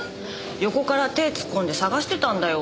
横から手突っ込んで捜してたんだよ。